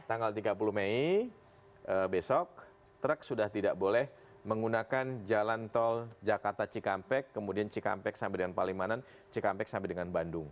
tanggal tiga puluh mei besok truk sudah tidak boleh menggunakan jalan tol jakarta cikampek kemudian cikampek sampai dengan palimanan cikampek sampai dengan bandung